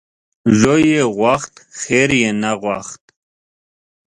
زوی یې غوښت خیر یې نه غوښت .